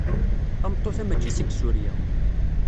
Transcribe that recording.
Tameṭṭut-a mačči seg Surya.